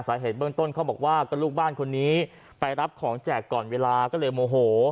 สาเหตุเบื้องต้นเขาบอกว่าก็ลูกบ้านคนนี้ไปรับของแจกก่อนเวลาก็เลยโมโห